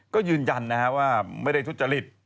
ก็ยืนยันว่าไม่ได้ทุจริต